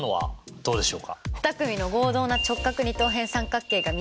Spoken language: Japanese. どうでしょう？